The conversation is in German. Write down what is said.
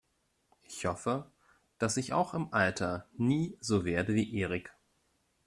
Ich hoffe, dass ich auch im Alter nie so werde wie Erik.